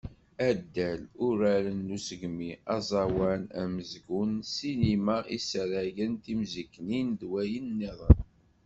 Addal, uraren n usegmi, aẓawan, amezgun, ssinima, isaragen, timziknin d wayen-nniḍen.